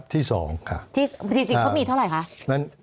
ที่สิ่งเขามีเท่าไหร่คะ